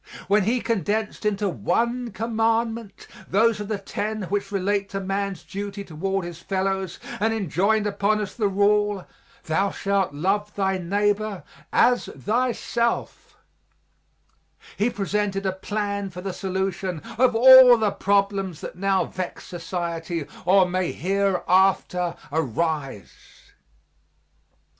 When He condensed into one commandment those of the ten which relate to man's duty toward his fellows and enjoined upon us the rule, "Thou shalt love thy neighbor as thyself," He presented a plan for the solution of all the problems that now vex society or may hereafter arise.